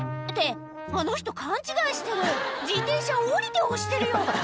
ってあの人勘違いしてる自転車降りて押してるよ